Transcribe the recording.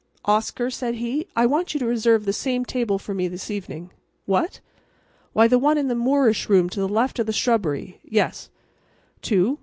"Oscar," said he, "I want you to reserve the same table for me this evening. … What? Why, the one in the Moorish room to the left of the shrubbery. … Yes; two.